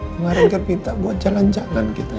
kemarin dia minta buat jalan jalan kita